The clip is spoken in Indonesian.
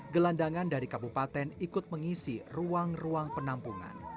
gelandangan dari kabupaten ikut mengisi ruang ruang penampungan